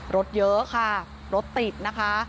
รถเยอะค่ะรถติดนะคะ